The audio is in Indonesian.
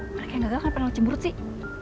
mereka yang gagal kan penelci murut sih